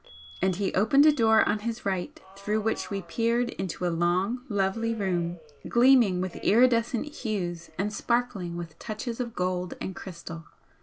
And he opened a door on his right, through which we peered into a long, lovely room, gleaming with iridescent hues and sparkling with touches of gold and crystal.